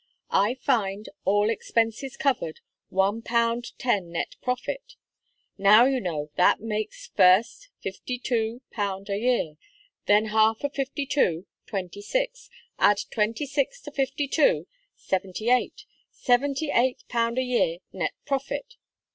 I find, all expenses covered, one pound ten net profit. Now, you know, that makes, first, fifty two pound a year; then half of fifty two, twenty six; add twenty six to fifty two, seventy eight seventy eight pound a year, net profit.